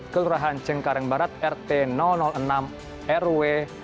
kelurahan cengkareng barat rt enam rw